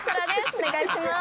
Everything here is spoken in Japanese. お願いします。